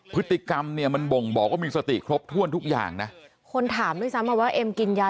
พฤติกรรมเนี่ยมันบ่งบอกว่ามีสติครบถ้วนทุกอย่างนะคนถามด้วยซ้ำมาว่าเอ็มกินยา